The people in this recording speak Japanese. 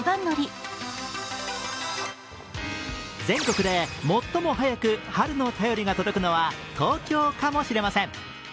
全国で最も早く春の便りが届くのは東京かもしれません。